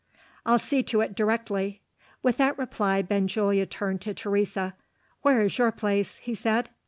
"I'll see to it directly." With that reply, Benjulia turned to Teresa. "Where is your place?" he said.